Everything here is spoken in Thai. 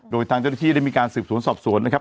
โดยทางเจ้าหน้าที่ได้มีการสืบสวนสอบสวนนะครับ